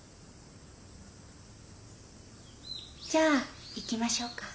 じゃあ行きましょうか。